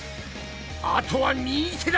あとは右手だ！